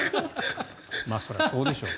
それはそうでしょう。